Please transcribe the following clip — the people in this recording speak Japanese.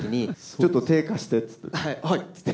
ちょっと手貸してって言って。